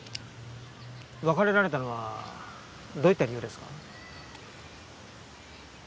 別れられたのはどういった理由ですか？